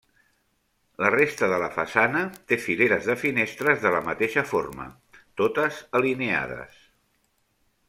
La resta de la façana té fileres de finestres de la mateixa forma, totes alineades.